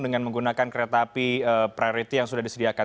dengan menggunakan kereta api priority yang sudah disediakan